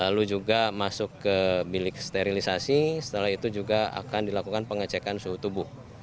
lalu juga masuk ke bilik sterilisasi setelah itu juga akan dilakukan pengecekan suhu tubuh